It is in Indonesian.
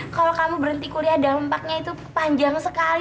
kalau kamu berhenti kuliah dampaknya itu panjang sekali